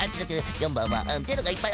４ばんはゼロがいっぱい。